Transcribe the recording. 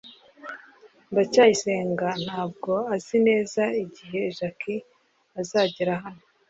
ndacyayisenga ntabwo azi neza igihe jaki azagera hano